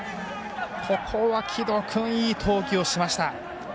ここは城戸君いい投球をしました。